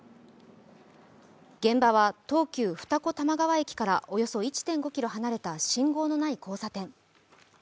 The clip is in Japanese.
現場は東急・二子玉川駅からおよそ１．５ｋｍ離れた信号のない交差点。